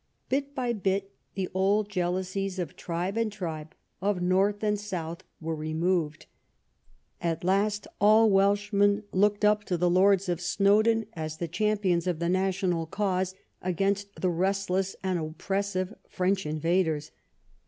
Bit by bit the old jealousies of tribe and tv'iho, of north and south, were removed. At last all AVelshmen looked up to the lords I EARLY YEARS 19 of Snowdon as the champions of the national cause against the restless and oppressive French invaders.